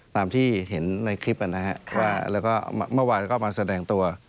ตามที่เห็นในคลิปนะครับว่าแล้วก็เมื่อวานก็มาแสดงตัว